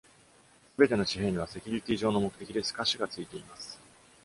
すべての紙幣には、セキュリティ上の目的で透かしが付いています。